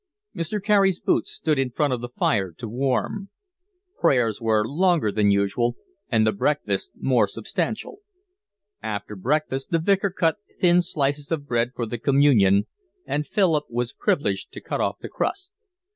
Mr. Carey's boots stood in front of the fire to warm. Prayers were longer than usual, and the breakfast more substantial. After breakfast the Vicar cut thin slices of bread for the communion, and Philip was privileged to cut off the crust.